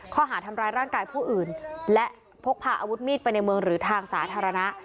ข้อหาทำร้ายร่างกายผู้อื่นและพกพาอาวุธมีดไปในเมืองหรือทางสาธารณะ